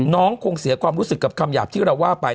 คงเสียความรู้สึกกับคำหยาบที่เราว่าไป